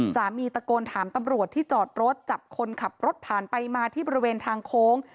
สามีตะโกนถามตำรวจที่จอดรถจับคนขับรถผ่านไปมาที่บริเวณทางโค้ง